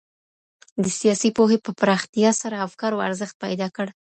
د سياسي پوهي په پراختيا سره افکارو ارزښت پيداکړ.